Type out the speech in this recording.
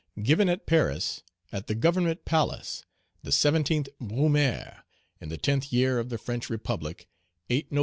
"Given at Paris, at the Government Palace, the 17th Brumaire, in the tenth year of the French Republic (8 Nov.